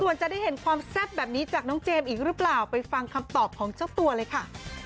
ส่วนจะได้เห็นความแซ่บแบบนี้จากน้องเจมส์อีกหรือเปล่าไปฟังคำตอบของเจ้าตัวเลยค่ะ